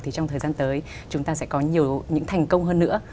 thì trong thời gian tới chúng ta sẽ có nhiều những thành công hơn nữa